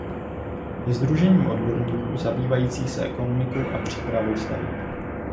Je sdružením odborníků zabývajících se ekonomikou a přípravou staveb.